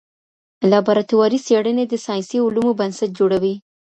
لابراتواري څېړني د ساینسي علومو بنسټ جوړوي.